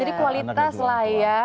jadi kualitas lah ya